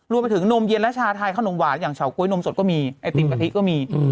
รวมไปถึงนมเย็นและชาไทยขนมหวานอย่างเฉก๊วยนมสดก็มีไอติมกะทิก็มี